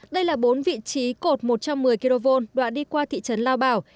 đây là bốn vị trí cột một trăm một mươi kv đoạn đi qua thị trấn lao bảo